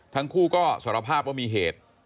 ทั้งคู่ก็สารภาพว่ามีเหตุ